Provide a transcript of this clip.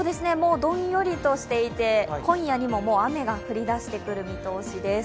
どんよりとしていて今夜にも雨が降りだしてくる見通しです。